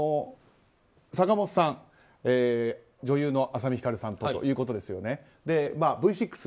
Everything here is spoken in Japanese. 坂本さん女優の朝海ひかるさんとということですよね。